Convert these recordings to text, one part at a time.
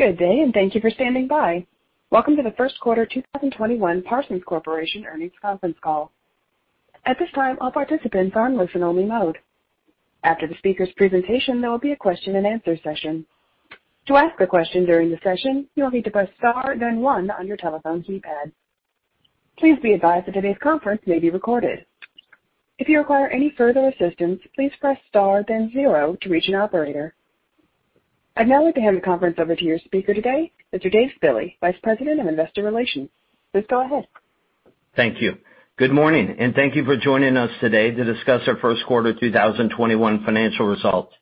Good day, and thank you for standing by. Welcome to the first quarter 2021 Parsons Corporation earnings conference call. I'd now like to hand the conference over to your speaker today, Mr. Dave Spille, Senior Vice President, Investor Relations. Please go ahead. Thank you. Good morning, and thank you for joining us today to discuss our first quarter 2021 financial results.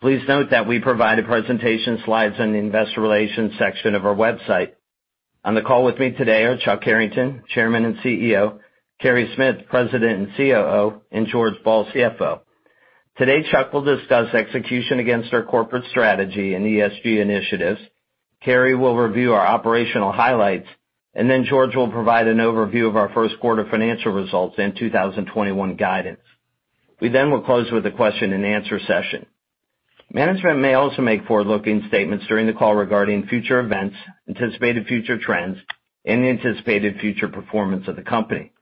Please note that we provide presentation slides on the investor relations section of our website. On the call with me today are Chuck Harrington, Chairman and CEO, Carey Smith, President and COO, and George Ball, CFO. Today, Chuck will discuss execution against our corporate strategy and ESG initiatives, Carey will review our operational highlights, and then George will provide an overview of our first quarter financial results and 2021 guidance. We will close with a question and answer session. Management may also make forward-looking statements during the call regarding future events, anticipated future trends, and the anticipated future performance of the company.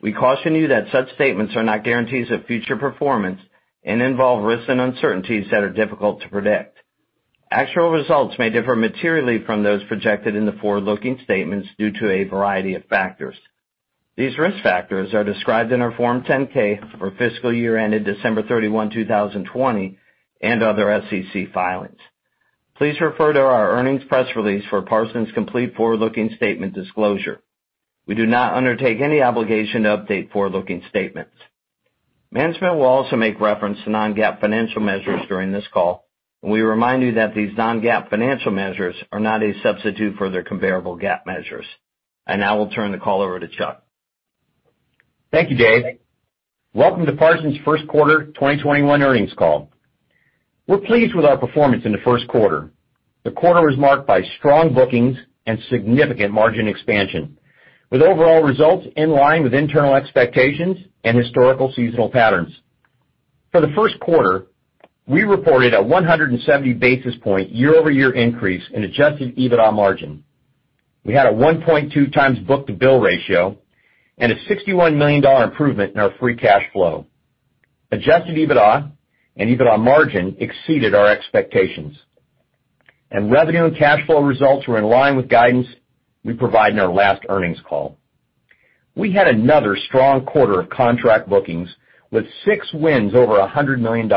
We caution you that such statements are not guarantees of future performance and involve risks and uncertainties that are difficult to predict. Actual results may differ materially from those projected in the forward-looking statements due to a variety of factors. These risk factors are described in our Form 10-K for fiscal year ended December 31, 2020, and other SEC filings. Please refer to our earnings press release for Parsons' complete forward-looking statement disclosure. We do not undertake any obligation to update forward-looking statements. Management will also make reference to non-GAAP financial measures during this call, and we remind you that these non-GAAP financial measures are not a substitute for their comparable GAAP measures. I now will turn the call over to Chuck. Thank you, Dave. Welcome to Parsons' first quarter 2021 earnings call. We're pleased with our performance in the first quarter. The quarter was marked by strong bookings and significant margin expansion, with overall results in line with internal expectations and historical seasonal patterns. For the first quarter, we reported a 170 basis point year-over-year increase in adjusted EBITDA margin. We had a 1.2x book-to-bill ratio and a $61 million improvement in our free cash flow. Adjusted EBITDA and EBITDA margin exceeded our expectations, and revenue and cash flow results were in line with guidance we provided in our last earnings call. We had another strong quarter of contract bookings with six wins over $100 million.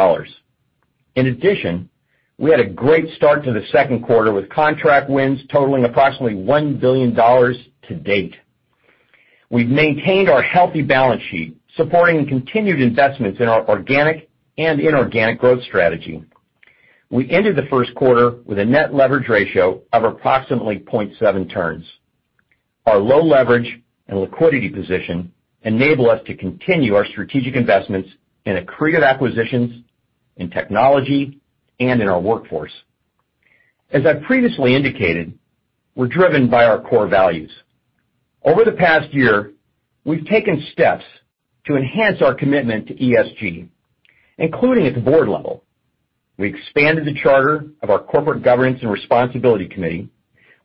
In addition, we had a great start to the second quarter with contract wins totaling approximately $1 billion to date. We've maintained our healthy balance sheet, supporting continued investments in our organic and inorganic growth strategy. We ended the first quarter with a net leverage ratio of approximately 0.7 turns. Our low leverage and liquidity position enable us to continue our strategic investments in accretive acquisitions, in technology, and in our workforce. As I previously indicated, we're driven by our core values. Over the past year, we've taken steps to enhance our commitment to ESG, including at the board level. We expanded the charter of our corporate governance and responsibility committee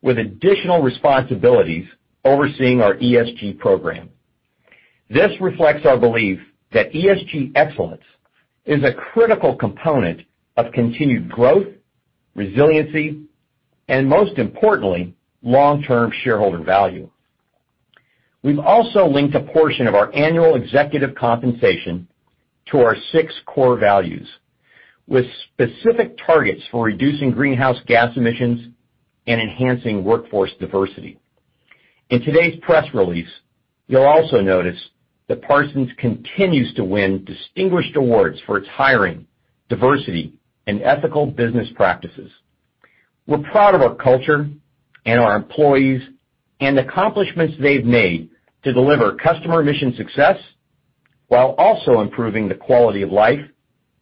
with additional responsibilities overseeing our ESG program. This reflects our belief that ESG excellence is a critical component of continued growth, resiliency, and most importantly, long-term shareholder value. We've also linked a portion of our annual executive compensation to our six core values, with specific targets for reducing greenhouse gas emissions and enhancing workforce diversity. In today's press release, you'll also notice that Parsons continues to win distinguished awards for its hiring, diversity, and ethical business practices. We're proud of our culture and our employees and the accomplishments they've made to deliver customer mission success while also improving the quality of life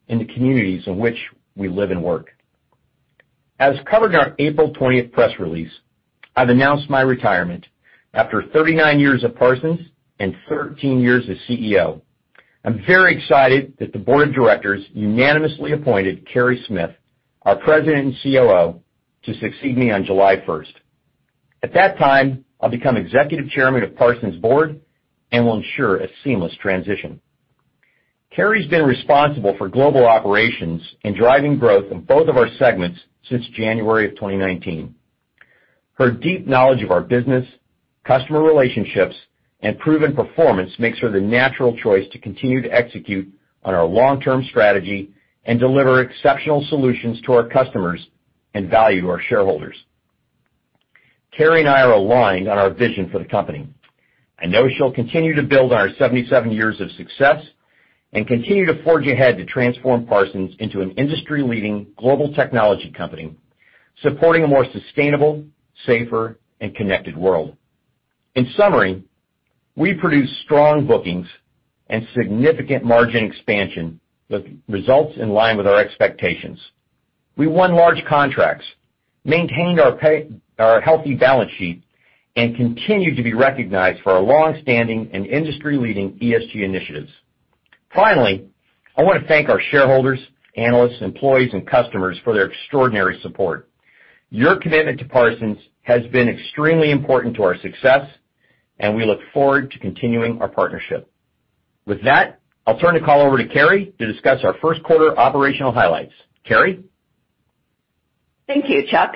in the communities in which we live and work. As covered in our April 20th press release, I've announced my retirement after 39 years at Parsons and 13 years as CEO. I'm very excited that the board of directors unanimously appointed Carey Smith, our President and COO, to succeed me on July 1st. At that time, I'll become Executive Chairman of Parsons' board and will ensure a seamless transition. Carey's been responsible for global operations and driving growth in both of our segments since January of 2019. Her deep knowledge of our business, customer relationships, and proven performance makes her the natural choice to continue to execute on our long-term strategy and deliver exceptional solutions to our customers and value to our shareholders. Carey and I are aligned on our vision for the company. I know she'll continue to build on our 77 years of success and continue to forge ahead to transform Parsons into an industry-leading global technology company, supporting a more sustainable, safer, and connected world. In summary, we produced strong bookings and significant margin expansion, with results in line with our expectations. We won large contracts, maintained our healthy balance sheet, and continue to be recognized for our long-standing and industry-leading ESG initiatives. Finally, I want to thank our shareholders, analysts, employees and customers for their extraordinary support. Your commitment to Parsons has been extremely important to our success, and we look forward to continuing our partnership. With that, I'll turn the call over to Carey to discuss our first quarter operational highlights. Carey? Thank you, Chuck.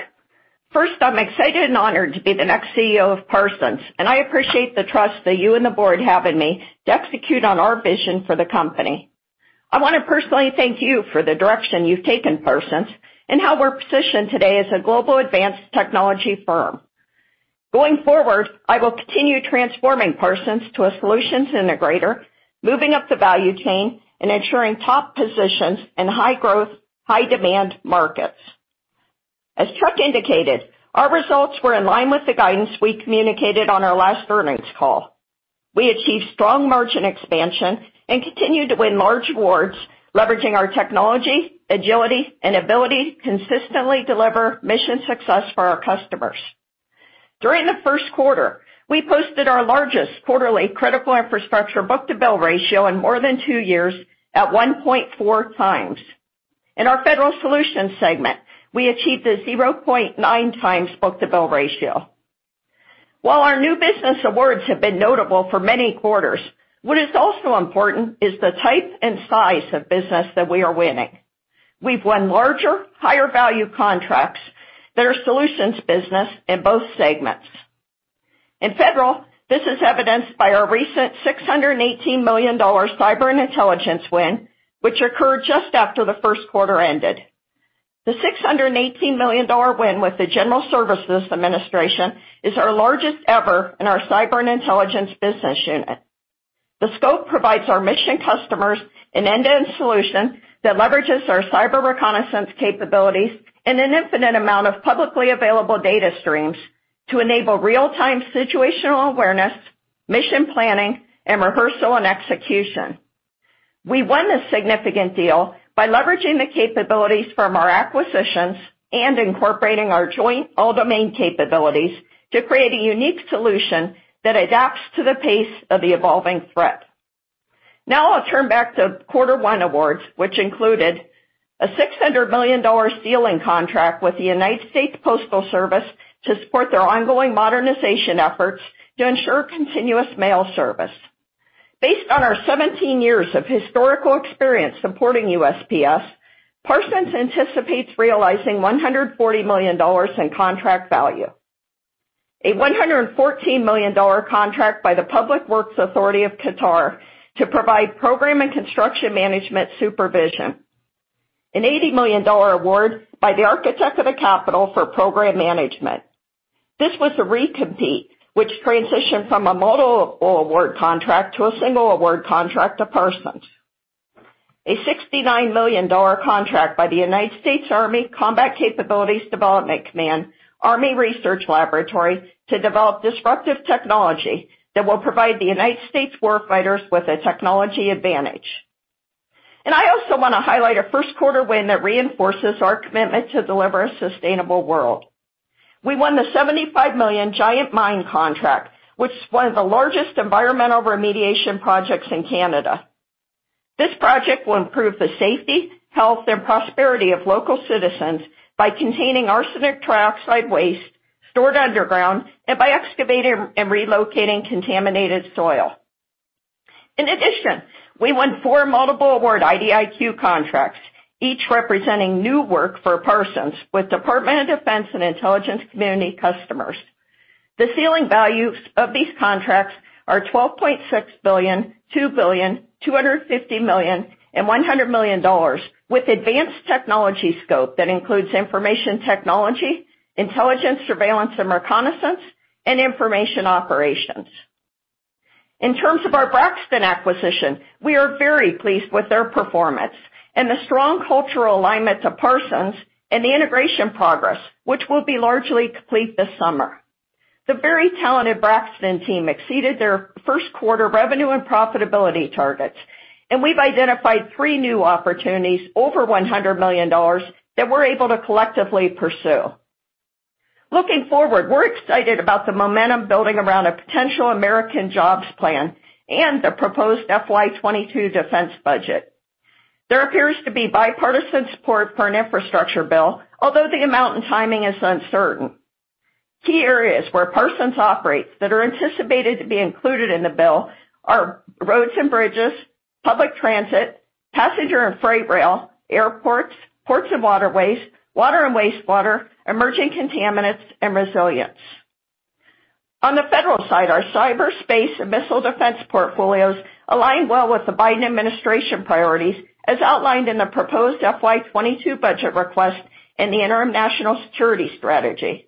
First, I'm excited and honored to be the next CEO of Parsons, I appreciate the trust that you and the board have in me to execute on our vision for the company. I want to personally thank you for the direction you've taken Parsons, how we're positioned today as a global advanced technology firm. Going forward, I will continue transforming Parsons to a solutions integrator, moving up the value chain and ensuring top positions in high growth, high demand markets. As Chuck indicated, our results were in line with the guidance we communicated on our last earnings call. We achieved strong margin expansion and continued to win large awards, leveraging our technology, agility, and ability to consistently deliver mission success for our customers. During the first quarter, we posted our largest quarterly Critical Infrastructure book-to-bill ratio in more than two years at 1.4x. In our Federal Solutions segment, we achieved a 0.9x book-to-bill ratio. While our new business awards have been notable for many quarters, what is also important is the type and size of business that we are winning. We've won larger, higher value contracts that are solutions business in both segments. In federal, this is evidenced by our recent $618 million Cyber and Intelligence win, which occurred just after the first quarter ended. The $618 million win with the General Services Administration is our largest ever in our Cyber and Intelligence business unit. The scope provides our mission customers an end-to-end solution that leverages our cyber reconnaissance capabilities and an infinite amount of publicly available data streams to enable real-time situational awareness, mission planning, and rehearsal and execution. We won this significant deal by leveraging the capabilities from our acquisitions and incorporating our joint all domain capabilities to create a unique solution that adapts to the pace of the evolving threat. Now I'll turn back to quarter one awards, which included a $600 million ceiling contract with the United States Postal Service to support their ongoing modernization efforts to ensure continuous mail service. Based on our 17 years of historical experience supporting USPS, Parsons anticipates realizing $140 million in contract value. A $114 million contract by the Public Works Authority of Qatar to provide program and construction management supervision. An $80 million award by the Architect of the Capitol for program management. This was a recompete, which transitioned from a model award contract to a single award contract to Parsons. A $69 million contract by the United States Army Combat Capabilities Development Command, Army Research Laboratory to develop disruptive technology that will provide the U.S. war fighters with a technology advantage. I also want to highlight a first quarter win that reinforces our commitment to deliver a sustainable world. We won the $75 million Giant Mine contract, which is one of the largest environmental remediation projects in Canada. This project will improve the safety, health, and prosperity of local citizens by containing arsenic trioxide waste stored underground, and by excavating and relocating contaminated soil. In addition, we won four multiple award IDIQ contracts, each representing new work for Parsons with Department of Defense and intelligence community customers. The ceiling values of these contracts are $12.6 billion, $2 billion, $250 million, and $100 million with advanced technology scope that includes information technology, intelligence surveillance and reconnaissance, and information operations. In terms of our Braxton acquisition, we are very pleased with their performance and the strong cultural alignment to Parsons and the integration progress, which will be largely complete this summer. The very talented Braxton team exceeded their first quarter revenue and profitability targets. We've identified three new opportunities over $100 million that we're able to collectively pursue. Looking forward, we're excited about the momentum building around a potential American Jobs Plan and the proposed FY22 defense budget. There appears to be bipartisan support for an infrastructure bill, although the amount and timing is uncertain. Key areas where Parsons operates that are anticipated to be included in the bill are roads and bridges, public transit, passenger and freight rail, airports, ports and waterways, water and wastewater, emerging contaminants and resilience. On the federal side, our cyber, space and missile defense portfolios align well with the Biden administration priorities, as outlined in the proposed FY 2022 budget request and the Interim National Security Strategy.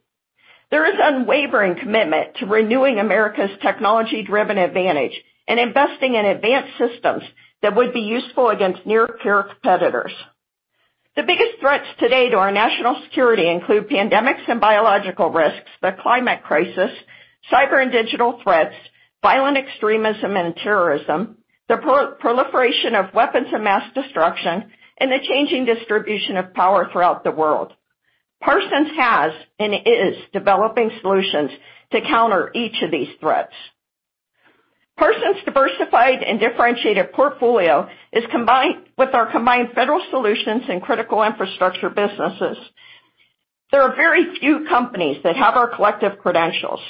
There is unwavering commitment to renewing America's technology-driven advantage and investing in advanced systems that would be useful against near-peer competitors. The biggest threats today to our national security include pandemics and biological risks, the climate crisis, cyber and digital threats, violent extremism and terrorism, the proliferation of weapons of mass destruction, and the changing distribution of power throughout the world. Parsons has and is developing solutions to counter each of these threats. Parsons' diversified and differentiated portfolio is, combined with our combined Federal Solutions in Critical Infrastructure businesses. There are very few companies that have our collective credentials.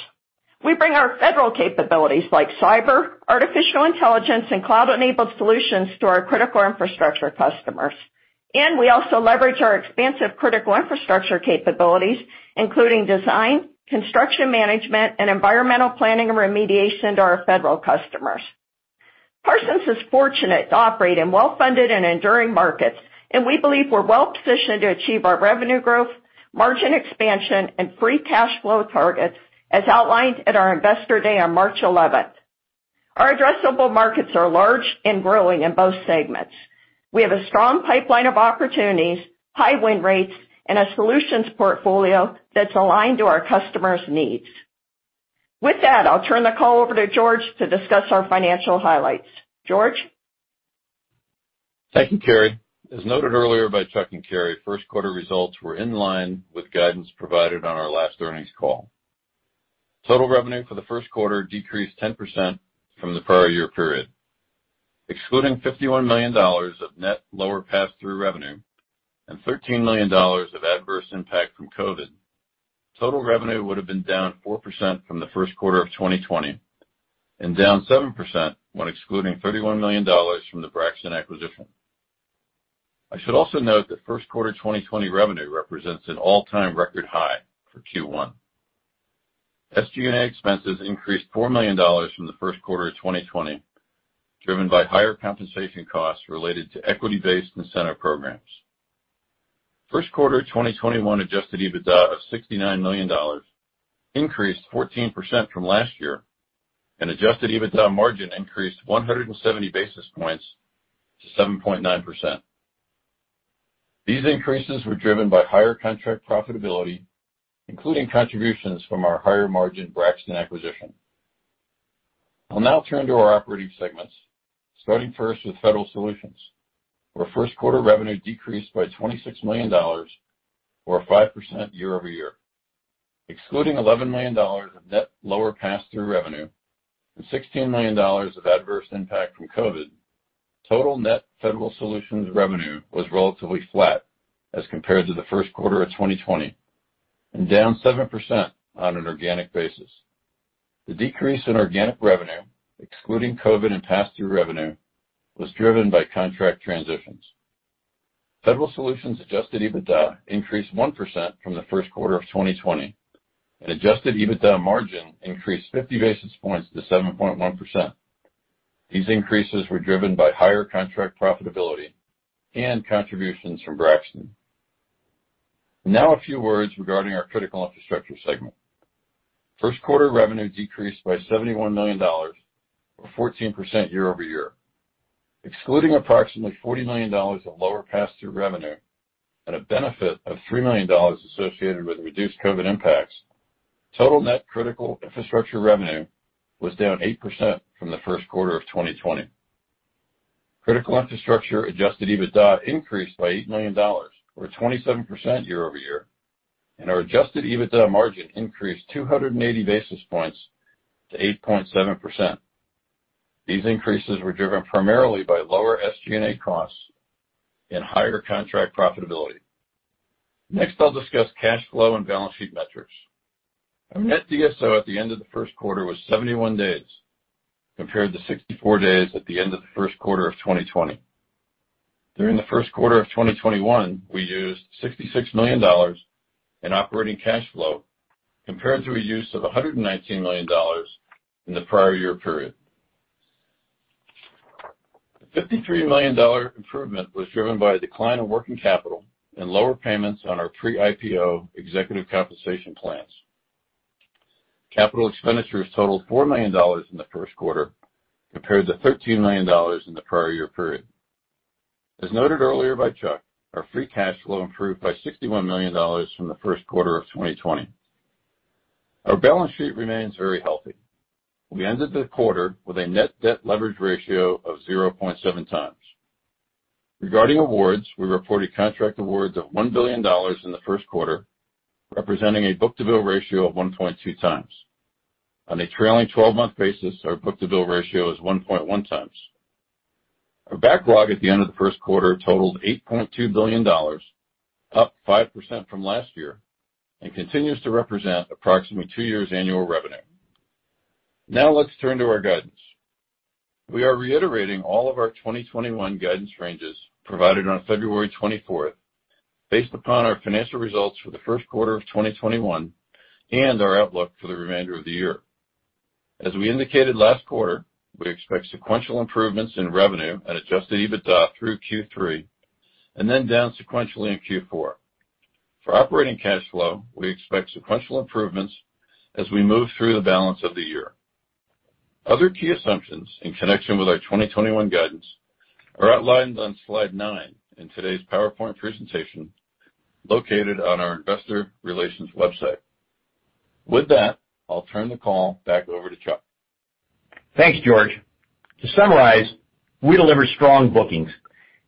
We bring our federal capabilities, like cyber, artificial intelligence, and cloud-enabled solutions to our Critical Infrastructure customers. We also leverage our expansive Critical Infrastructure capabilities, including design, construction management, and environmental planning and remediation to our federal customers. Parsons is fortunate to operate in well-funded and enduring markets, and we believe we're well-positioned to achieve our revenue growth, margin expansion, and free cash flow targets as outlined at our Investor Day on March 11th. Our addressable markets are large and growing in both segments. We have a strong pipeline of opportunities, high win rates, and a solutions portfolio that's aligned to our customers' needs. With that, I'll turn the call over to George to discuss our financial highlights. George? Thank you, Carey. As noted earlier by Chuck and Carey, first quarter results were in line with guidance provided on our last earnings call. Total revenue for the first quarter decreased 10% from the prior year period. Excluding $51 million of net lower passthrough revenue and $13 million of adverse impact from COVID, total revenue would've been down 4% from the first quarter of 2020, and down 7% when excluding $31 million from the Braxton acquisition. I should also note that first quarter 2020 revenue represents an all-time record high for Q1. SG&A expenses increased $4 million from the first quarter of 2020, driven by higher compensation costs related to equity-based incentive programs. First quarter 2021 adjusted EBITDA of $69 million increased 14% from last year, and adjusted EBITDA margin increased 170 basis points to 7.9%. These increases were driven by higher contract profitability, including contributions from our higher margin Braxton acquisition. I'll now turn to our operating segments, starting first with Federal Solutions, where first quarter revenue decreased by $26 million, or 5% year-over-year. Excluding $11 million of net lower passthrough revenue and $16 million of adverse impact from COVID, total net Federal Solutions revenue was relatively flat as compared to the first quarter of 2020, and down 7% on an organic basis. The decrease in organic revenue, excluding COVID and passthrough revenue, was driven by contract transitions. Federal Solutions adjusted EBITDA increased 1% from the first quarter of 2020, and adjusted EBITDA margin increased 50 basis points to 7.1%. These increases were driven by higher contract profitability and contributions from Braxton. Now a few words regarding our Critical Infrastructure segment. First quarter revenue decreased by $71 million, or 14% year-over-year. Excluding approximately $40 million of lower passthrough revenue and a benefit of $3 million associated with reduced COVID impacts, total net Critical Infrastructure revenue was down 8% from the first quarter of 2020. Critical Infrastructure adjusted EBITDA increased by $8 million, or 27% year-over-year, and our adjusted EBITDA margin increased 280 basis points to 8.7%. These increases were driven primarily by lower SG&A costs and higher contract profitability. I'll discuss cash flow and balance sheet metrics. Our net DSO at the end of the first quarter was 71 days compared to 64 days at the end of the first quarter of 2020. During the first quarter of 2021, we used $66 million in operating cash flow compared to a use of $119 million in the prior year period. The $53 million improvement was driven by a decline in working capital and lower payments on our pre-IPO executive compensation plans. Capital expenditures totaled $4 million in the first quarter compared to $13 million in the prior year period. As noted earlier by Chuck, our free cash flow improved by $61 million from the first quarter of 2020. Our balance sheet remains very healthy. We ended the quarter with a net debt leverage ratio of 0.7 times. Regarding awards, we reported contract awards of $1 billion in the first quarter, representing a book-to-bill ratio of 1.2x. On a trailing 12-month basis, our book-to-bill ratio is 1.1x. Our backlog at the end of the first quarter totaled $8.2 billion, up 5% from last year, and continues to represent approximately two years' annual revenue. Let's turn to our guidance. We are reiterating all of our 2021 guidance ranges provided on February 24th based upon our financial results for the first quarter of 2021 and our outlook for the remainder of the year. As we indicated last quarter, we expect sequential improvements in revenue and adjusted EBITDA through Q3, and then down sequentially in Q4. For operating cash flow, we expect sequential improvements as we move through the balance of the year. Other key assumptions in connection with our 2021 guidance are outlined on slide nine in today's PowerPoint presentation, located on our investor relations website. With that, I'll turn the call back over to Chuck. Thanks, George. To summarize, we delivered strong bookings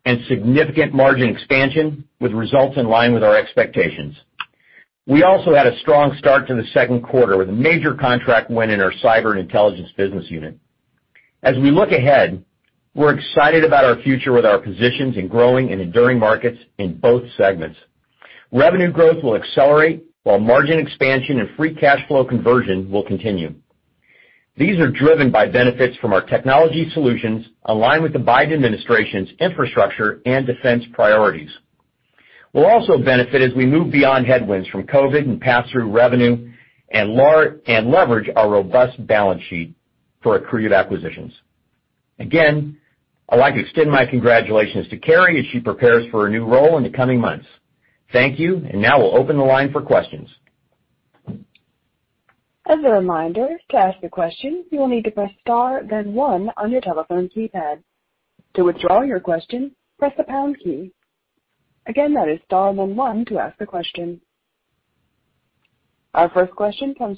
and significant margin expansion with results in line with our expectations. We also had a strong start to the second quarter with a major contract win in our cyber and intelligence business unit. We look ahead, we're excited about our future with our positions in growing and enduring markets in both segments. Revenue growth will accelerate while margin expansion and free cash flow conversion will continue. These are driven by benefits from our technology solutions, aligned with the Biden administration's infrastructure and defense priorities. We'll also benefit as we move beyond headwinds from COVID and pass-through revenue and leverage our robust balance sheet for accretive acquisitions. I'd like to extend my congratulations to Carey as she prepares for a new role in the coming months. Thank you. Now we'll open the line for questions. Our first question comes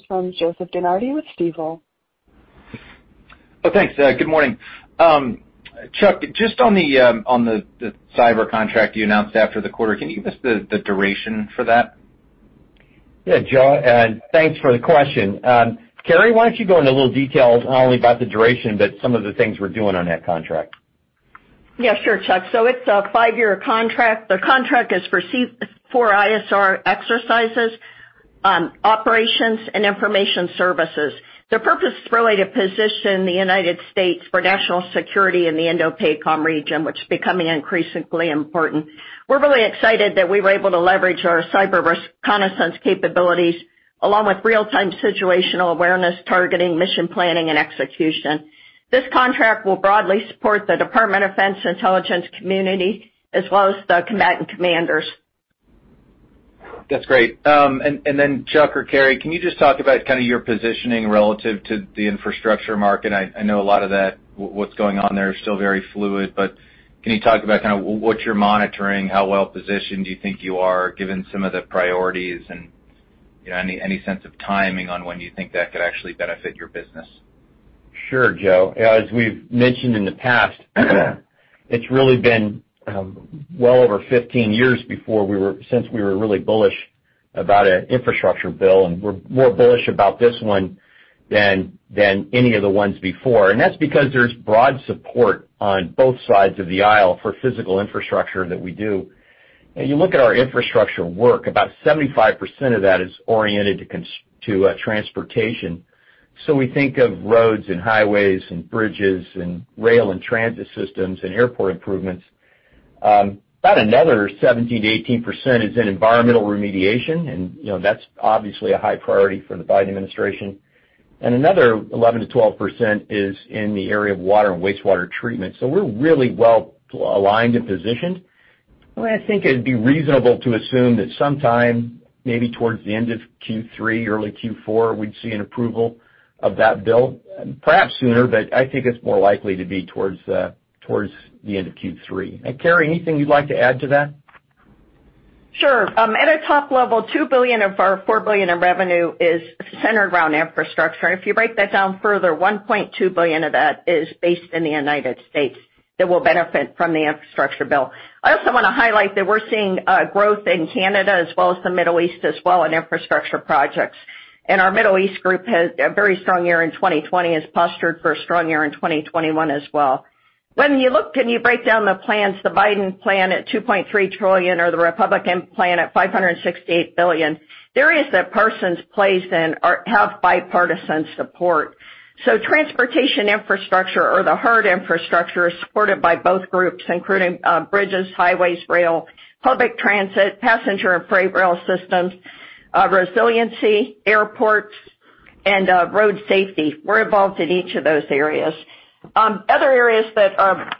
from Joseph DeNardi with Stifel. Oh, thanks. Good morning. Chuck, just on the cyber contract you announced after the quarter, can you give us the duration for that? Yeah, Joe, thanks for the question. Carey, why don't you go into a little detail not only about the duration, but some of the things we're doing on that contract. Yeah, sure, Chuck. It's a five-year contract. The contract is for ISR exercises, operations, and information services. The purpose is really to position the United States for national security in the INDOPACOM region, which is becoming increasingly important. We're really excited that we were able to leverage our cyber reconnaissance capabilities, along with real-time situational awareness, targeting, mission planning, and execution. This contract will broadly support the Department of Defense intelligence community, as well as the combatant commanders. That's great. Chuck or Carey, can you just talk about kind of your positioning relative to the infrastructure market? I know a lot of what's going on there is still very fluid, but can you talk about kind of what you're monitoring? How well-positioned do you think you are, given some of the priorities, and any sense of timing on when you think that could actually benefit your business? Sure, Joe. As we've mentioned in the past, it's really been well over 15 years since we were really bullish about an infrastructure bill, we're more bullish about this one than any of the ones before. That's because there's broad support on both sides of the aisle for physical infrastructure that we do. You look at our infrastructure work, about 75% of that is oriented to transportation. We think of roads and highways and bridges and rail and transit systems and airport improvements. About another 17%-18% is in environmental remediation, that's obviously a high priority for the Biden administration. Another 11%-12% is in the area of water and wastewater treatment. We're really well aligned and positioned. I think it'd be reasonable to assume that sometime maybe towards the end of Q3, early Q4, we'd see an approval of that bill. Perhaps sooner, but I think it's more likely to be towards the end of Q3. Carey, anything you'd like to add to that? Sure. At a top level, $2 billion of our $4 billion in revenue is centered around infrastructure. If you break that down further, $1.2 billion of that is based in the United States that will benefit from the infrastructure bill. I also want to highlight that we're seeing growth in Canada as well as the Middle East as well on infrastructure projects. Our Middle East group had a very strong year in 2020, is postured for a strong year in 2021 as well. When you look and you break down the plans, the Biden plan at $2.3 trillion or the Republican plan at $568 billion, areas that Parsons plays in have bipartisan support. Transportation infrastructure or the hard infrastructure is supported by both groups, including bridges, highways, rail, public transit, passenger and freight rail systems, resiliency, airports, and road safety. We're involved in each of those areas. Other areas that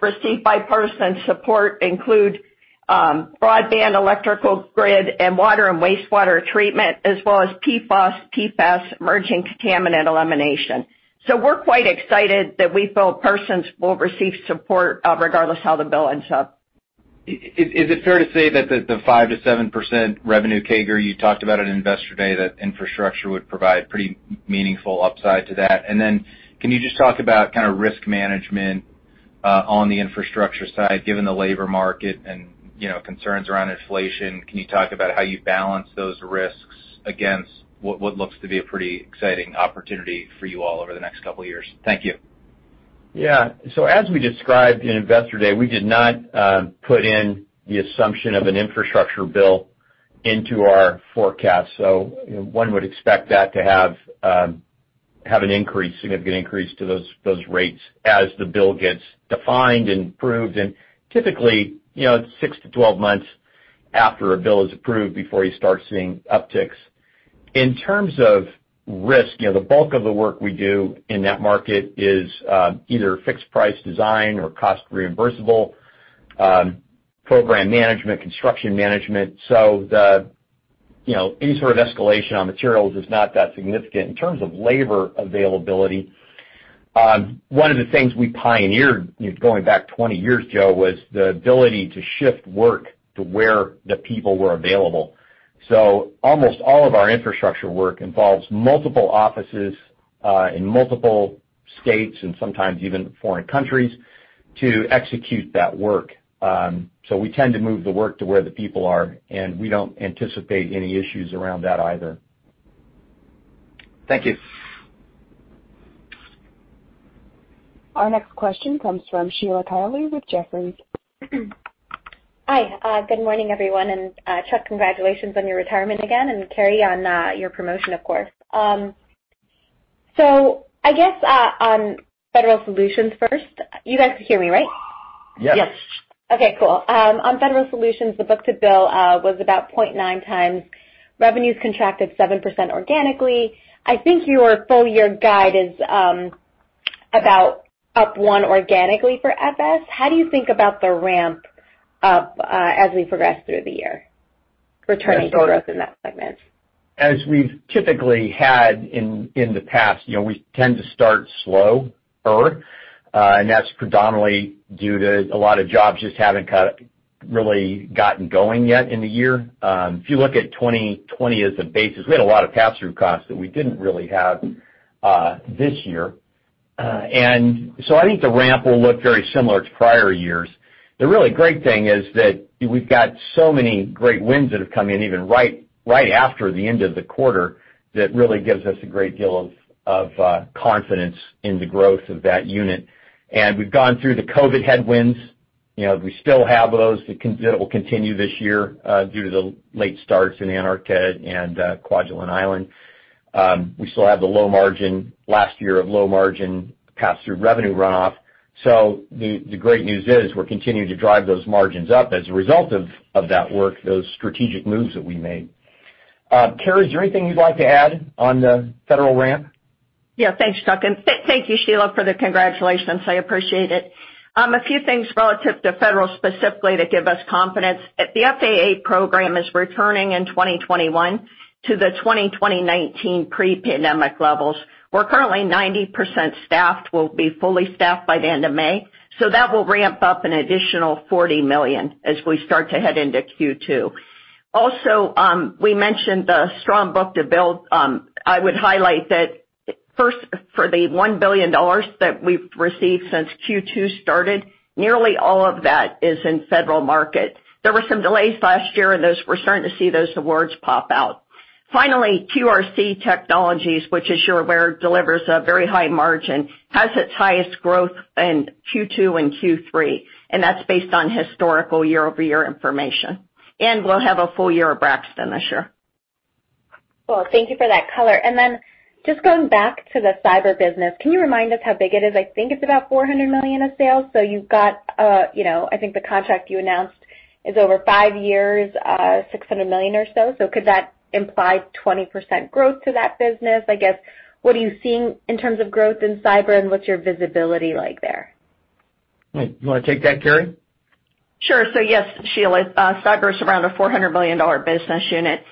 receive bipartisan support include broadband, electrical grid, and water and wastewater treatment, as well as PFOS, PFAS, emerging contaminant elimination. We're quite excited that we feel Parsons will receive support regardless how the bill ends up. Is it fair to say that the 5%-7% revenue CAGR you talked about at Investor Day, that infrastructure would provide pretty meaningful upside to that? Can you just talk about kind of risk management on the infrastructure side, given the labor market and concerns around inflation? Can you talk about how you balance those risks against what looks to be a pretty exciting opportunity for you all over the next couple of years? Thank you. Yeah. As we described in Investor Day, we did not put in the assumption of an infrastructure bill into our forecast. One would expect that to have a significant increase to those rates as the bill gets defined and approved. Typically, it's 6-12 months after a bill is approved before you start seeing upticks. In terms of risk, the bulk of the work we do in that market is either fixed-price design or cost reimbursable, program management, construction management. Any sort of escalation on materials is not that significant. In terms of labor availability, one of the things we pioneered going back 20 years, Joe, was the ability to shift work to where the people were available. Almost all of our infrastructure work involves multiple offices in multiple states and sometimes even foreign countries to execute that work. We tend to move the work to where the people are, and we don't anticipate any issues around that either. Thank you. Our next question comes from Sheila Kahyaoglu with Jefferies. Hi. Good morning, everyone. Chuck, congratulations on your retirement again, and Carey on your promotion, of course. I guess on Federal Solutions first. You guys can hear me, right? Yes. Okay, cool. On Federal Solutions, the book-to-bill was about 0.9 times. Revenues contracted 7% organically. I think your full year guide is about up one organically for FS. How do you think about the ramp-up as we progress through the year for turning growth in that segment? As we've typically had in the past, we tend to start slower. That's predominantly due to a lot of jobs just haven't kind of really gotten going yet in the year. If you look at 2020 as a basis, we had a lot of pass-through costs that we didn't really have this year. I think the ramp will look very similar to prior years. The really great thing is that we've got so many great wins that have come in even right after the end of the quarter. That really gives us a great deal of confidence in the growth of that unit. We've gone through the COVID headwinds. We still have those that will continue this year due to the late starts in the Antarctic and Kwajalein Island. We still have the low margin, last year of low margin pass-through revenue runoff. The great news is we're continuing to drive those margins up as a result of that work, those strategic moves that we made. Carey, is there anything you'd like to add on the Federal ramp? Thanks, Chuck, thank you Sheila for the congratulations. I appreciate it. A few things relative to federal specifically that give us confidence. The FAA program is returning in 2021 to the 2019 pre-pandemic levels. We're currently 90% staffed, we'll be fully staffed by the end of May. That will ramp up an additional $40 million as we start to head into Q2. Also, we mentioned the strong book-to-bill. I would highlight that first, for the $1 billion that we've received since Q2 started, nearly all of that is in federal market. There were some delays last year, we're starting to see those awards pop out. Finally, QRC Technologies, which as you're aware, delivers a very high margin, has its highest growth in Q2 and Q3, and that's based on historical year-over-year information. We'll have a full year of Braxton this year. Well, thank you for that color. Just going back to the cyber business, can you remind us how big it is? I think it's about $400 million of sales. You've got, I think the contract you announced is over 5 years, $600 million or so. Could that imply 20% growth to that business? I guess, what are you seeing in terms of growth in cyber, and what's your visibility like there? You want to take that, Carey? Sure. Yes, Sheila, cyber is around a $400 million business unit.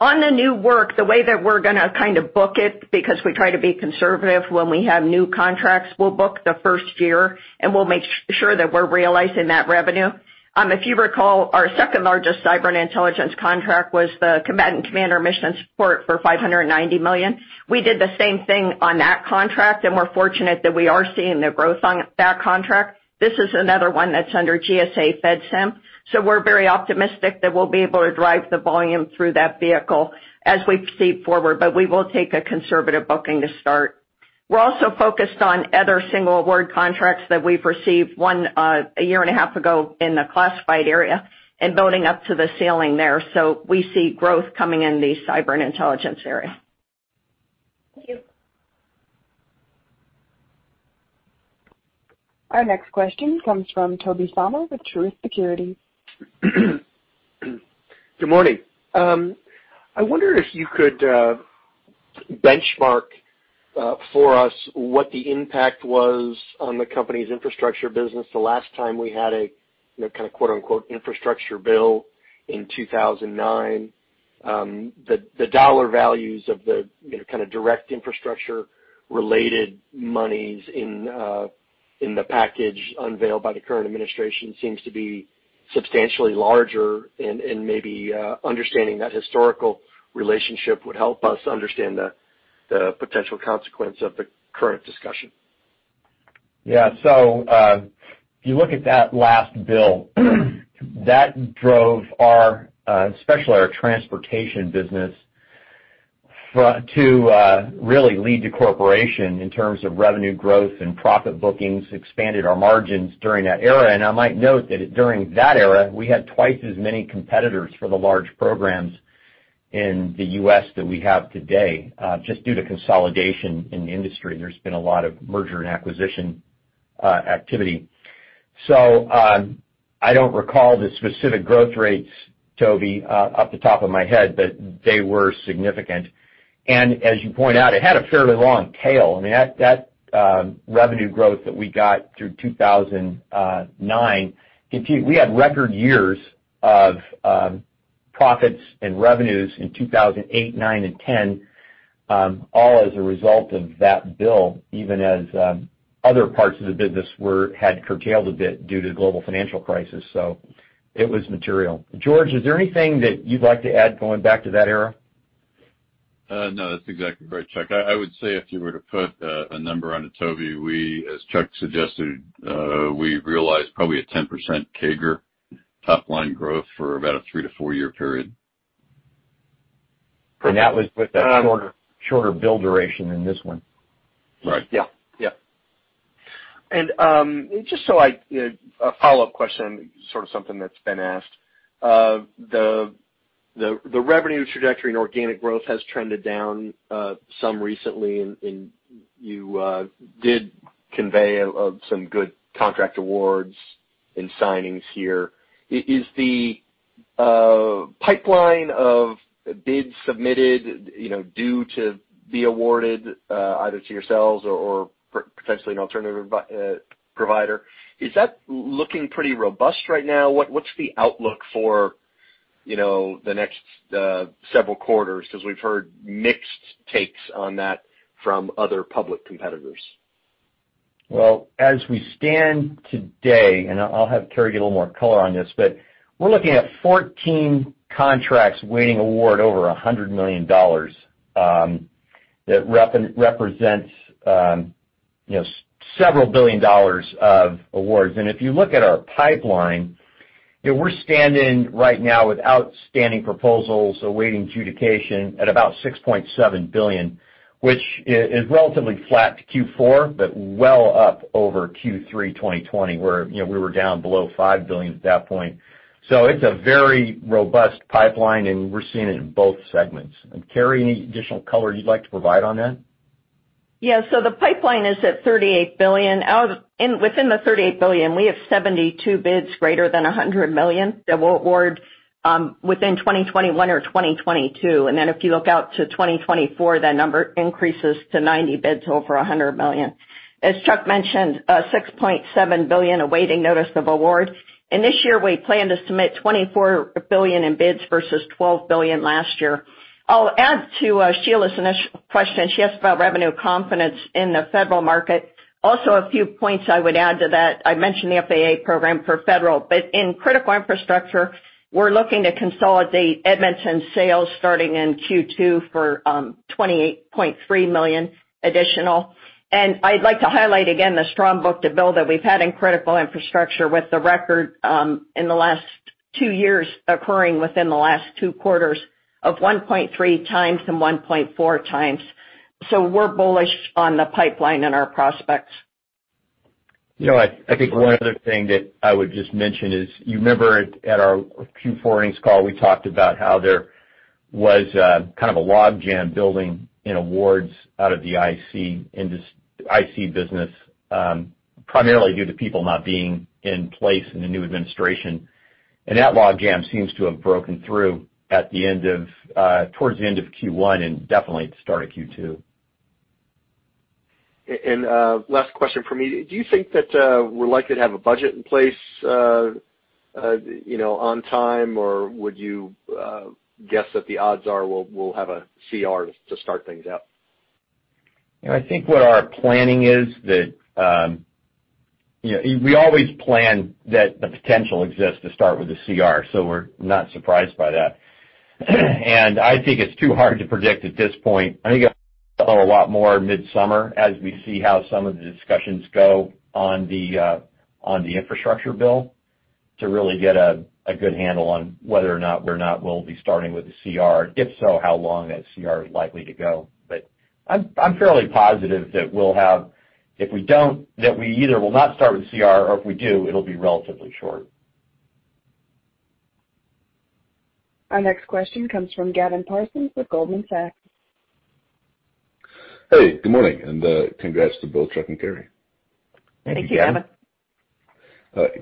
On the new work, the way that we're going to kind of book it, because we try to be conservative when we have new contracts, we'll book the first year, and we'll make sure that we're realizing that revenue. If you recall, our second-largest cyber and intelligence contract was the combatant commander mission support for $590 million. We did the same thing on that contract, and we're fortunate that we are seeing the growth on that contract. This is another one that's under GSA FEDSIM. We're very optimistic that we'll be able to drive the volume through that vehicle as we proceed forward, but we will take a conservative booking to start. We're also focused on other single award contracts that we've received, one a year and a half ago in the classified area and building up to the ceiling there. We see growth coming in the cyber and intelligence area. Thank you. Our next question comes from Tobey Sommer with Truist Securities. Good morning. I wonder if you could benchmark for us what the impact was on the company's infrastructure business the last time we had a kind of quote-unquote, "infrastructure bill" in 2009. The dollar values of the kind of direct infrastructure related monies in the package unveiled by the current administration seems to be substantially larger and maybe understanding that historical relationship would help us understand the potential consequence of the current discussion. Yeah. If you look at that last bill, that drove especially our transportation business to really lead the Corporation in terms of revenue growth and profit bookings, expanded our margins during that era. I might note that during that era, we had twice as many competitors for the large programs in the U.S. than we have today, just due to consolidation in the industry. There's been a lot of merger and acquisition activity. I don't recall the specific growth rates, Tobey, off the top of my head, but they were significant. As you point out, it had a fairly long tail. I mean, that revenue growth that we got through 2009 continued. We had record years of profits and revenues in 2008, 2009, and 2010. All as a result of that bill, even as other parts of the business had curtailed a bit due to the global financial crisis. It was material. George, is there anything that you'd like to add going back to that era? No, that's exactly right, Chuck. I would say if you were to put a number on it, Tobey, we, as Chuck suggested, realized probably a 10% CAGR top-line growth for about a three-to-four-year period. That was with that shorter bill duration than this one. Right. Yeah. Just a follow-up question, sort of something that's been asked. The revenue trajectory and organic growth has trended down some recently, and you did convey some good contract awards and signings here. Is the pipeline of bids submitted due to be awarded, either to yourselves or potentially an alternative provider? Is that looking pretty robust right now? What's the outlook for the next several quarters? We've heard mixed takes on that from other public competitors. As we stand today, and I'll have Carey give a little more color on this, we're looking at 14 contracts awaiting award over $100 million. That represents several billion dollars of awards. If you look at our pipeline, we're standing right now with outstanding proposals awaiting adjudication at about $6.7 billion, which is relatively flat to Q4, but well up over Q3 2020, where we were down below $5 billion at that point. It's a very robust pipeline, and we're seeing it in both segments. Carey, any additional color you'd like to provide on that? The pipeline is at $38 billion. Within the $38 billion, we have 72 bids greater than $100 million that we'll award within 2021 or 2022. If you look out to 2024, that number increases to 90 bids over $100 million. As Chuck mentioned, $6.7 billion awaiting notice of award. This year, we plan to submit $24 billion in bids versus $12 billion last year. I'll add to Sheila's initial question. She asked about revenue confidence in the federal market. A few points I would add to that. I mentioned the FAA program for Federal, but in Critical Infrastructure, we're looking to consolidate Edmonton sales starting in Q2 for $28.3 million additional. I'd like to highlight again the strong book-to-bill that we've had in Critical Infrastructure with the record in the last two years occurring within the last two quarters of 1.3x and 1.4x. We're bullish on the pipeline and our prospects. I think one other thing that I would just mention is, you remember at our Q4 earnings call, we talked about how there was kind of a logjam building in awards out of the IC business primarily due to people not being in place in the new administration. That logjam seems to have broken through towards the end of Q1 and definitely at the start of Q2. Last question from me. Do you think that we're likely to have a budget in place on time, or would you guess that the odds are we'll have a CR to start things out? I think what our planning is that we always plan that the potential exists to start with a CR, so we're not surprised by that. I think it's too hard to predict at this point. I think a lot more midsummer as we see how some of the discussions go on the infrastructure bill to really get a good handle on whether or not we'll be starting with the CR, if so, how long that CR is likely to go. I'm fairly positive that if we don't, that we either will not start with CR, or if we do, it'll be relatively short. Our next question comes from Gavin Parsons with Goldman Sachs. Hey, good morning, and congrats to both Chuck and Carey. Thank you. Thank you, Gavin.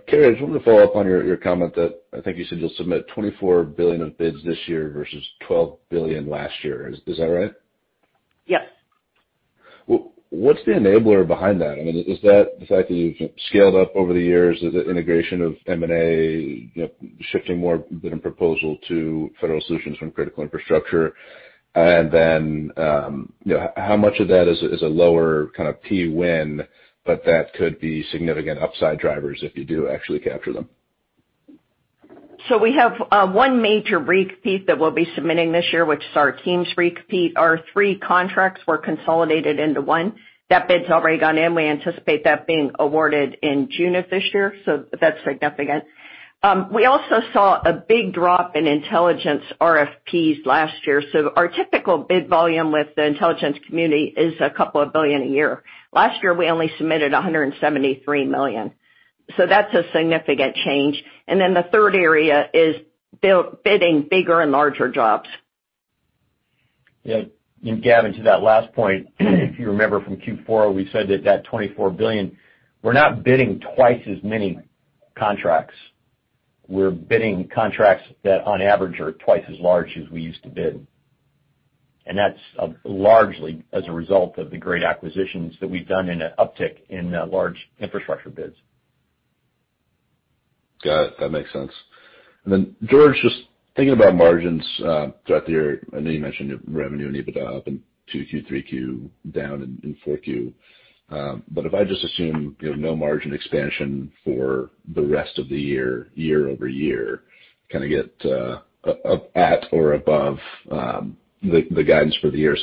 Carey, I just wanted to follow up on your comment that I think you said you'll submit $24 billion of bids this year versus $12 billion last year. Is that right? Yes. What's the enabler behind that? Is that the fact that you've scaled up over the years with the integration of M&A, shifting more of the proposal to Federal Solutions from Critical Infrastructure? How much of that is a lower kind of P win, but that could be significant upside drivers if you do actually capture them? We have one major repeat that we'll be submitting this year, which is our TEAMS repeat. Our three contracts were consolidated into one. That bid's already gone in. We anticipate that being awarded in June of this year, so that's significant. We also saw a big drop in intelligence RFPs last year. Our typical bid volume with the intelligence community is a couple of billion a year. Last year, we only submitted $173 million. That's a significant change. The third area is bidding bigger and larger jobs Yeah. Gavin, to that last point, if you remember from Q4, we said that that $24 billion, we're not bidding twice as many contracts. We're bidding contracts that on average are twice as large as we used to bid. That's largely as a result of the great acquisitions that we've done in an uptick in large infrastructure bids. Got it. That makes sense. George, just thinking about margins throughout the year, I know you mentioned revenue and EBITDA up in 2Q, 3Q, down in 4Q. If I just assume no margin expansion for the rest of the year-over-year, kind of get at or above the guidance for the year.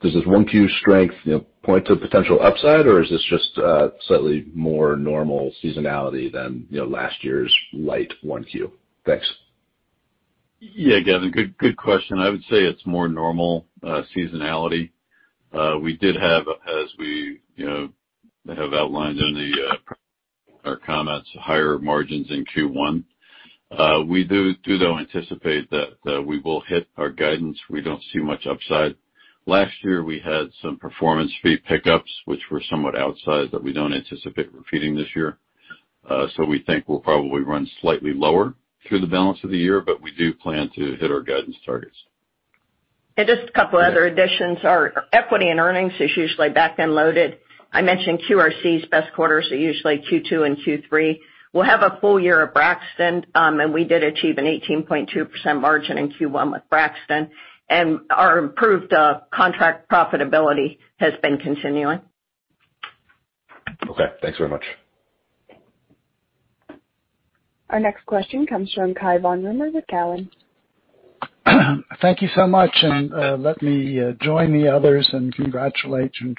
Does this 1Q strength point to a potential upside, or is this just slightly more normal seasonality than last year's light 1Q? Thanks. Yeah, Gavin. Good question. I would say it's more normal seasonality. We did have, as we have outlined in our comments, higher margins in Q1. We do, though, anticipate that we will hit our guidance. We don't see much upside. Last year, we had some performance fee pickups, which were somewhat outside that we don't anticipate repeating this year. We think we'll probably run slightly lower through the balance of the year, but we do plan to hit our guidance targets. Just a couple other additions. Our equity and earnings is usually back-end loaded. I mentioned QRC's best quarters are usually Q2 and Q3. We'll have a full year of Braxton, and we did achieve an 18.2% margin in Q1 with Braxton. Our improved contract profitability has been continuing. Okay, thanks very much. Our next question comes from Cai von Rumohr with Cowen. Thank you so much, and let me join the others and congratulate you,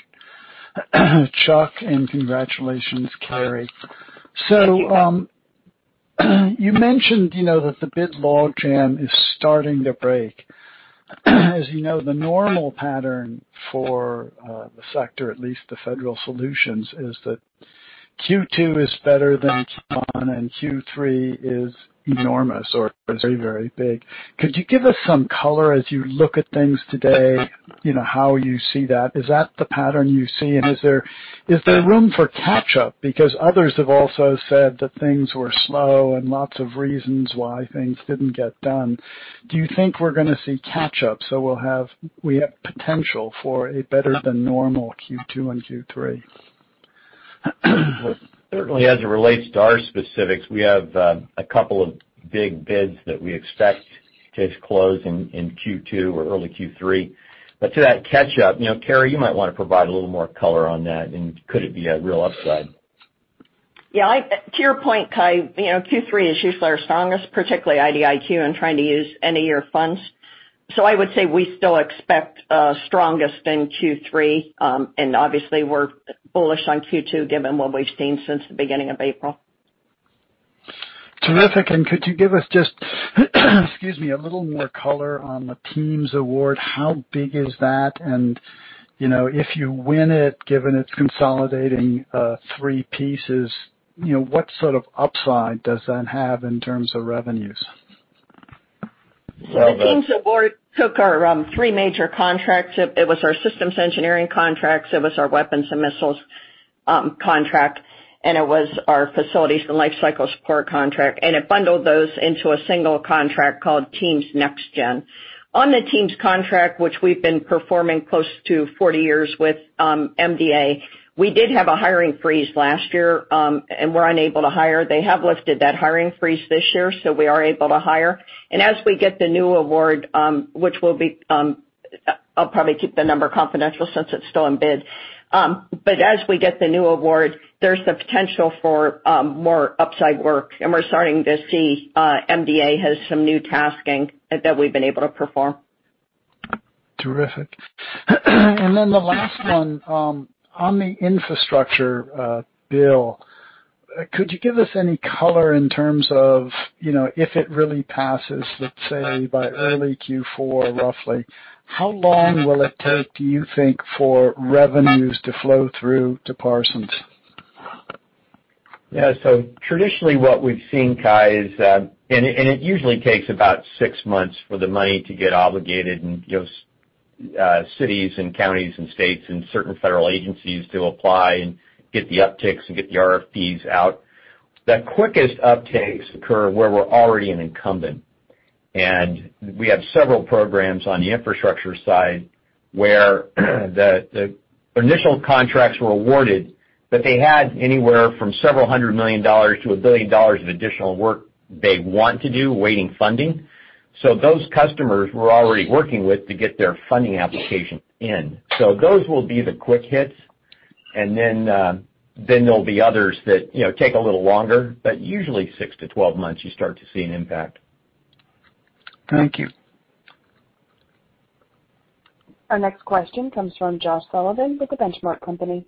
Chuck, and congratulations, Carey. Thank you. You mentioned that the bid logjam is starting to break. You know, the normal pattern for the sector, at least the Federal Solutions, is that Q2 is better than Q1, and Q3 is enormous or is very, very big. Could you give us some color as you look at things today, how you see that? Is that the pattern you see, and is there room for catch-up? Others have also said that things were slow and lots of reasons why things didn't get done. Do you think we're gonna see catch-up, so we have potential for a better than normal Q2 and Q3? Certainly, as it relates to our specifics, we have a couple of big bids that we expect to close in Q2 or early Q3. To that catch-up, Carey, you might want to provide a little more color on that and could it be a real upside? Yeah. To your point, Cai, Q3 is usually our strongest, particularly IDIQ and trying to use any year funds. I would say we still expect strongest in Q3, and obviously, we're bullish on Q2 given what we've seen since the beginning of April. Terrific. Could you give us just, excuse me, a little more color on the TEAMS award. How big is that? If you win it, given it's consolidating three pieces, what sort of upside does that have in terms of revenues? The TEAMS award took our three major contracts. It was our systems engineering contracts, it was our weapons and missiles contract, and it was our facilities and life cycle support contract, and it bundled those into a single contract called TEAMS Next Gen. On the TEAMS contract, which we've been performing close to 40 years with MDA, we did have a hiring freeze last year, and were unable to hire. They have lifted that hiring freeze this year, so we are able to hire. As we get the new award, which I'll probably keep the number confidential since it's still in bid, but as we get the new award, there's the potential for more upside work, and we're starting to see MDA has some new tasking that we've been able to perform. Terrific. The last one, on the infrastructure bill, could you give us any color in terms of if it really passes, let's say, by early Q4, roughly, how long will it take, do you think, for revenues to flow through to Parsons? Yeah. Traditionally, what we've seen, Cai, is, it usually takes about six months for the money to get obligated and cities and counties and states and certain federal agencies to apply and get the upticks and get the RFPs out. The quickest upticks occur where we're already an incumbent. We have several programs on the infrastructure side where the initial contracts were awarded, but they had anywhere from $several hundred million to $1 billion of additional work they want to do, awaiting funding. Those customers we're already working with to get their funding application in. Those will be the quick hits. There'll be others that take a little longer, but usually 6-12 months, you start to see an impact. Thank you. Our next question comes from Josh Sullivan with The Benchmark Company.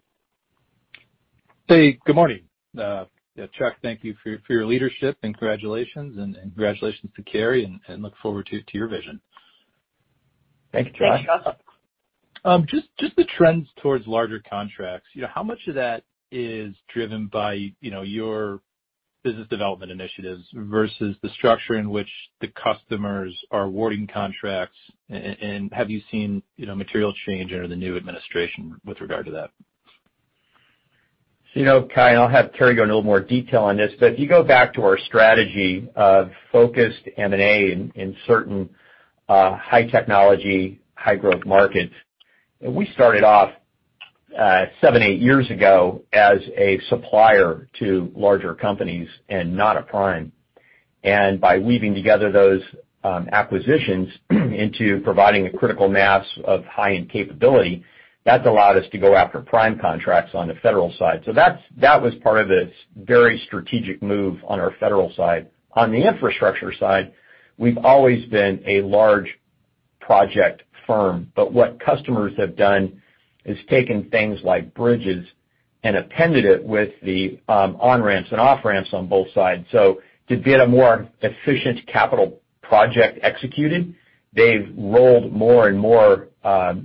Hey, good morning. Chuck, thank you for your leadership and congratulations. Congratulations to Carey, look forward to your vision. Thank you, Josh. Thanks, Josh. Just the trends towards larger contracts. How much of that is driven by your business development initiatives versus the structure in which the customers are awarding contracts? Have you seen material change under the new administration with regard to that? Carey, I'll have Carey go into a little more detail on this, but if you go back to our strategy of focused M&A in certain high technology, high growth markets, we started off. seven, eight years ago as a supplier to larger companies and not a prime. By weaving together those acquisitions into providing a critical mass of high-end capability, that's allowed us to go after prime contracts on the federal side. That was part of the very strategic move on our federal side. On the infrastructure side, we've always been a large project firm, but what customers have done is taken things like bridges and appended it with the on-ramps and off-ramps on both sides. To get a more efficient capital project executed, they've rolled more and more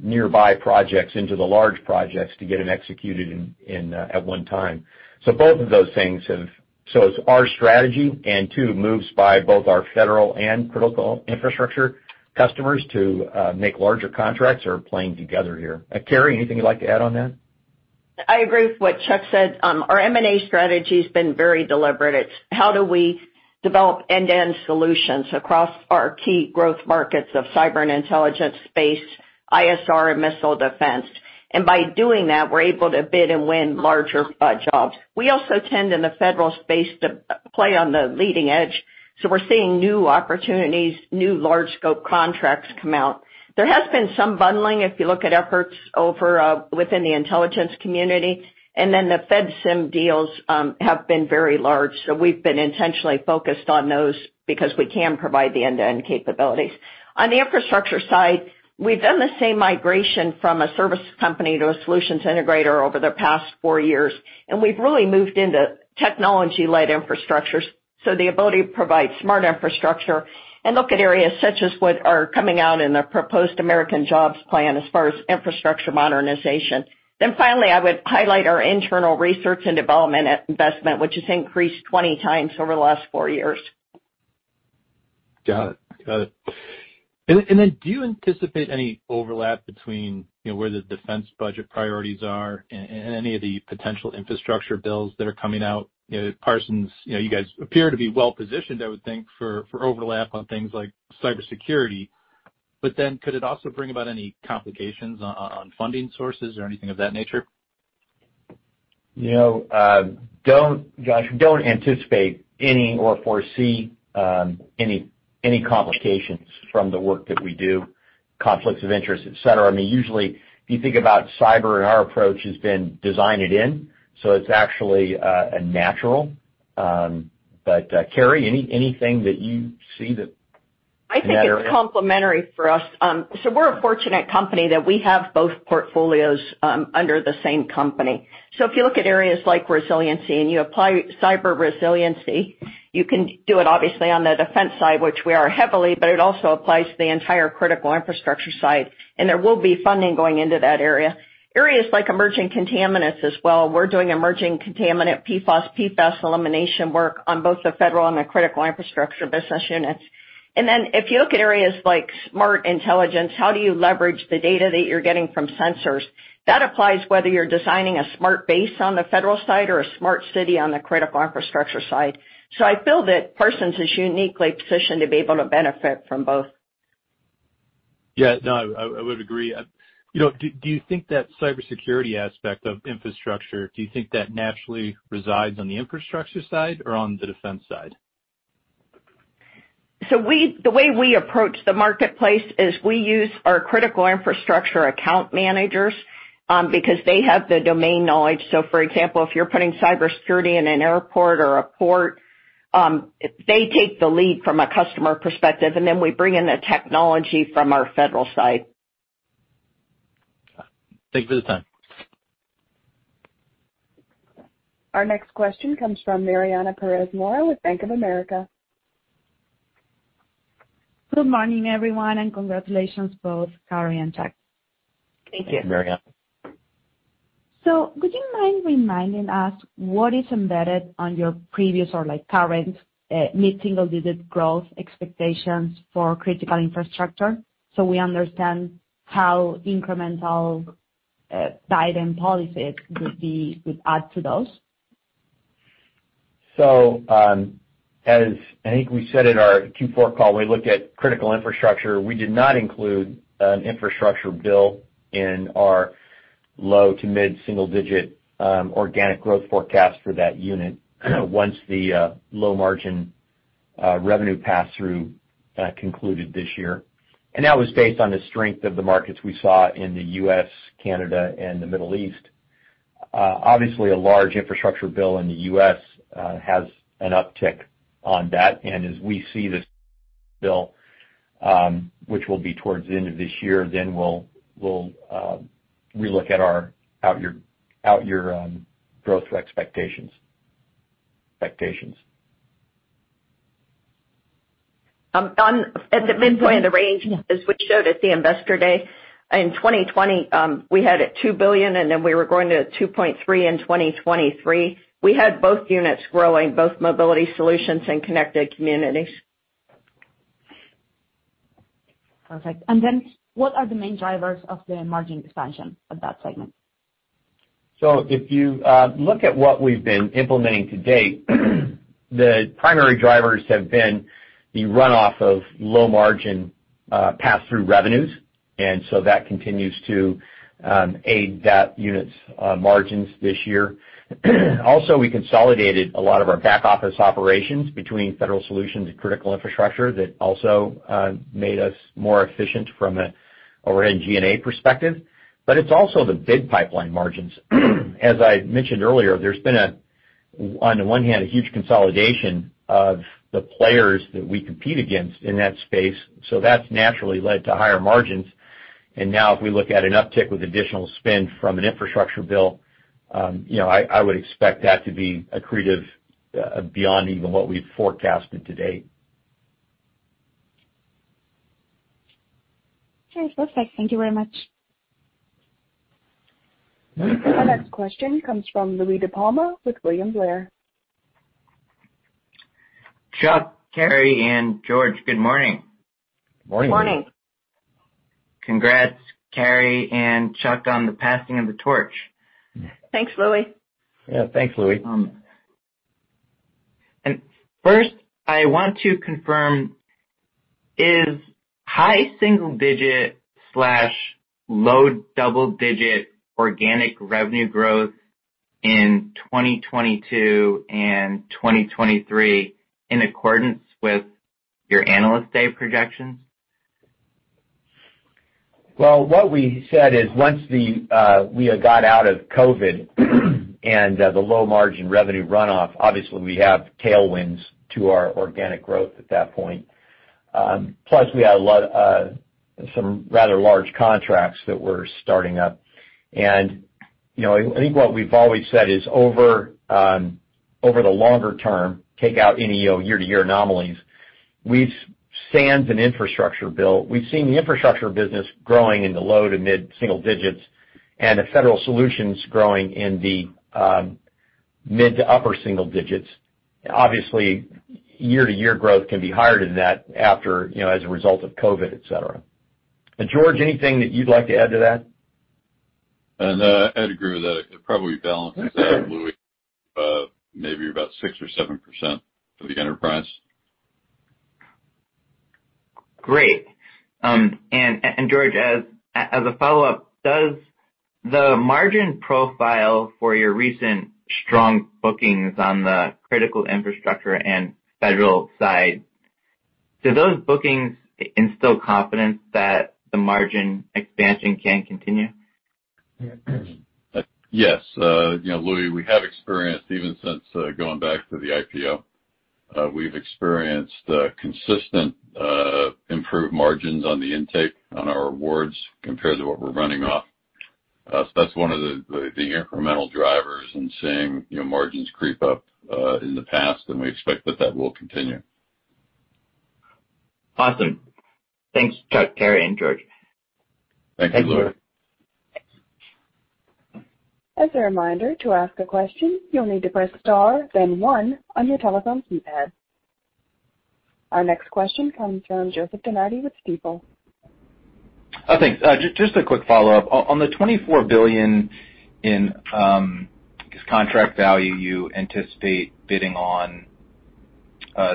nearby projects into the large projects to get them executed in at one time. It's our strategy and two, moves by both our federal and Critical Infrastructure customers to make larger contracts are playing together here. Carey, anything you'd like to add on that? I agree with what Chuck said. Our M&A strategy has been very deliberate. It is how do we develop end-to-end solutions across our key growth markets of cyber and intelligence, space, ISR, and missile defense. By doing that, we are able to bid and win larger jobs. We also tend, in the federal space, to play on the leading edge, so we are seeing new opportunities, new large scope contracts come out. There has been some bundling, if you look at efforts over within the intelligence community, the FEDSIM deals have been very large. We have been intentionally focused on those because we can provide the end-to-end capabilities. On the infrastructure side, we have done the same migration from a service company to a solutions integrator over the past four years, we have really moved into technology-led infrastructures. The ability to provide smart infrastructure and look at areas such as what are coming out in the proposed American Jobs Plan as far as infrastructure modernization. Finally, I would highlight our internal research and development investment, which has increased 20x over the last four years. Got it. Do you anticipate any overlap between where the defense budget priorities are and any of the potential infrastructure bills that are coming out? Parsons, you guys appear to be well-positioned, I would think, for overlap on things like cybersecurity. Could it also bring about any complications on funding sources or anything of that nature? Josh, don't anticipate any or foresee any complications from the work that we do, conflicts of interest, et cetera. Usually, if you think about cyber and our approach has been design it in, it's actually a natural. Carey, anything that you see that- I think it's complementary for us. We're a fortunate company that we have both portfolios under the same company. If you look at areas like resiliency and you apply cyber resiliency, you can do it obviously on the defense side, which we are heavily, but it also applies to the entire Critical Infrastructure side, and there will be funding going into that area. Areas like emerging contaminants as well. We're doing emerging contaminant, PFAS elimination work on both the federal and the Critical Infrastructure business units. If you look at areas like smart intelligence, how do you leverage the data that you're getting from sensors? That applies whether you're designing a smart base on the federal side or a smart city on the Critical Infrastructure side. I feel that Parsons is uniquely positioned to be able to benefit from both. Yeah. No, I would agree. Do you think that cybersecurity aspect of infrastructure, do you think that naturally resides on the infrastructure side or on the defense side? The way we approach the marketplace is we use our Critical Infrastructure account managers, because they have the domain knowledge. For example, if you're putting cybersecurity in an airport or a port, they take the lead from a customer perspective, and then we bring in the technology from our federal side. Thank you for the time. Our next question comes from Mariana Pérez Mora with Bank of America. Good morning, everyone, and congratulations both Carey and Chuck. Thank you. Thank you, Mariana. Could you mind reminding us what is embedded on your previous or current mid-single digit growth expectations for Critical Infrastructure so we understand how incremental Biden policies would add to those? As I think we said in our Q4 call, we looked at Critical Infrastructure. We did not include an infrastructure bill in our low to mid single-digit organic growth forecast for that unit once the low margin revenue pass-through concluded this year. That was based on the strength of the markets we saw in the U.S., Canada, and the Middle East. Obviously, a large infrastructure bill in the U.S. has an uptick on that. As we see this bill, which will be towards the end of this year, then we'll relook at our out-year growth expectations. At the midpoint of the range, is what showed at the Investor Day. In 2020, we had at $2 billion, we were growing to $2.3 billion in 2023. We had both units growing, both Mobility Solutions and Connected Communities. Perfect. What are the main drivers of the margin expansion of that segment? If you look at what we've been implementing to date, the primary drivers have been the runoff of low-margin pass-through revenues, and so that continues to aid that unit's margins this year. Also, we consolidated a lot of our back-office operations between Federal Solutions and Critical Infrastructure that also made us more efficient from an overhead G&A perspective. It's also the bid pipeline margins. As I mentioned earlier, there's been a, on the one hand, a huge consolidation of the players that we compete against in that space, so that's naturally led to higher margins. Now if we look at an uptick with additional spend from an infrastructure bill, I would expect that to be accretive beyond even what we've forecasted to date. Okay. Perfect. Thank you very much. Our next question comes from Louie DiPalma with William Blair. Chuck, Carey, and George, good morning. Morning. Morning. Congrats, Carey and Chuck, on the passing of the torch. Thanks, Louie. Yeah, thanks, Louie. First, I want to confirm, is high single-digit/low double-digit organic revenue growth in 2022 and 2023 in accordance with your Investor Day projections? Well, what we said is once we got out of COVID and the low-margin revenue runoff, obviously, we have tailwinds to our organic growth at that point. Plus, we had some rather large contracts that were starting up. I think what we've always said is over the longer term, take out any year-to-year anomalies, we've, sans an infrastructure bill, we've seen the Critical Infrastructure growing in the low- to mid-single digits and the Federal Solutions growing in the mid to upper single digits. Obviously, year-to-year growth can be higher than that as a result of COVID, et cetera. George, anything that you'd like to add to that? I'd agree with that. It probably balances out, Louie, maybe about 6% or 7% for the enterprise. Great. George, as a follow-up, does the margin profile for your recent strong bookings on the Critical Infrastructure and federal side, do those bookings instill confidence that the margin expansion can continue? Yes, Louie, we have experienced, even since going back to the IPO, we've experienced consistent improved margins on the intake on our awards compared to what we're running off. That's one of the incremental drivers in seeing margins creep up in the past, and we expect that that will continue. Awesome. Thanks, Chuck, Carey, and George. Thank you, Louie. Thanks. Our next question comes from Joseph DeNardi with Stifel. Thanks. Just a quick follow-up. On the $24 billion in contract value you anticipate bidding on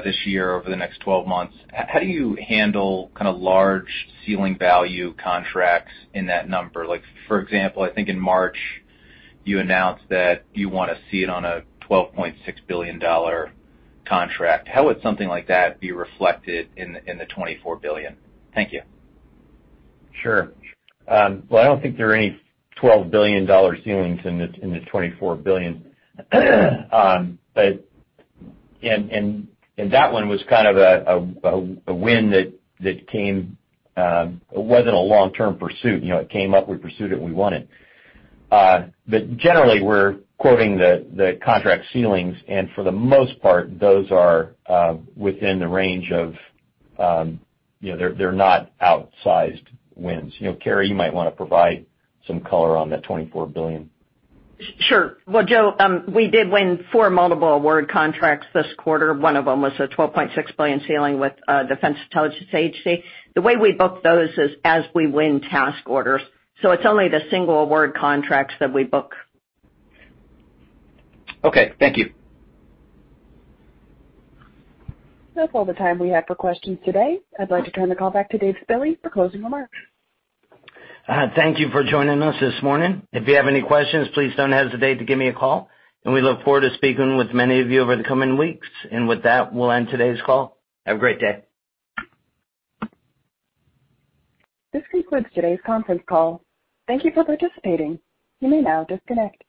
this year over the next 12 months, how do you handle kind of large ceiling value contracts in that number? Like for example, I think in March, you announced that you want to see it on a $12.6 billion contract. How would something like that be reflected in the $24 billion? Thank you. Sure. Well, I don't think there are any $12 billion ceilings in the $24 billion. That one was kind of a win that wasn't a long-term pursuit. It came up, we pursued it, and we won it. Generally, we're quoting the contract ceilings, and for the most part, those are within the range of. They're not outsized wins. Carey, you might want to provide some color on that $24 billion. Sure. Well, Joe, we did win four multiple award contracts this quarter. One of them was a $12.6 billion ceiling with Defense Intelligence Agency. The way we book those is as we win task orders, so it's only the single award contracts that we book. Okay. Thank you. That's all the time we have for questions today. I'd like to turn the call back to Dave Spille for closing remarks. Thank you for joining us this morning. If you have any questions, please don't hesitate to give me a call, we look forward to speaking with many of you over the coming weeks. With that, we'll end today's call. Have a great day. This concludes today's conference call. Thank you for participating. You may now disconnect.